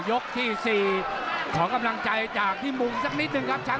ยกที่๔ขอกำลังใจจากพี่มุงสักนิดนึงครับ